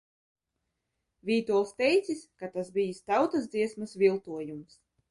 "Vītols teicis, ka "tas bijis tautas dziesmas viltojums"."